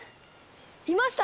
いました！